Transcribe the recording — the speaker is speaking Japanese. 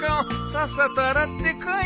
さっさと洗ってこい！